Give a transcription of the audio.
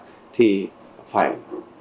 thì phải hoàn thiện các hoạt động không gian mạng